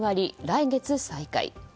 来月再開。